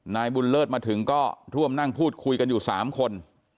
นายบุญเลิศมาถึงก็ร่วมนั่งพูดคุยกันอยู่๓คน